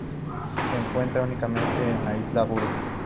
Se encuentra únicamente en la isla Buru.